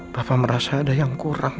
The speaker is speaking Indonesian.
papa merasa ada yang mau berhubungan